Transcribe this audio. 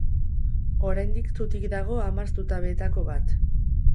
Oraindik zutik dago hamar zutabeetako bat.